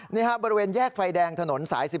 นี่บริเวณแยกไฟแดงถนน๑๓